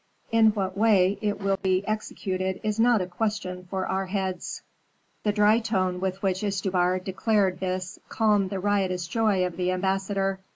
In what way it will be executed is not a question for our heads." The dry tone with which Istubar declared this calmed the riotous joy of the ambassador.